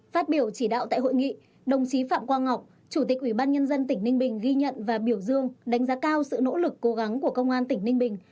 phát biểu chỉ đạo tại hội nghị đồng chí phạm quang ngọc chủ tịch ubnd tỉnh ninh bình ghi nhận và biểu dương đánh giá cao sự nỗ lực cố gắng của công an tỉnh ninh bình